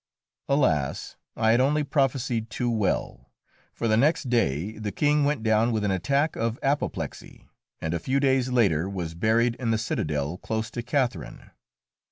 Alas! I had only prophesied too well, for the next day the King went down with an attack of apoplexy, and a few days later was buried in the citadel close to Catherine.